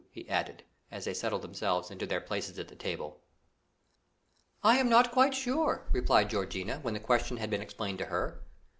he added, as they settled themselves into their places at the table. "I am not quite sure," replied Georgiana, when the question had been explained to her.